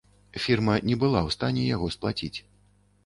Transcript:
Фірма не была ў стане яго сплаціць.